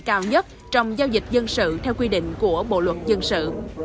cao nhất trong giao dịch dân sự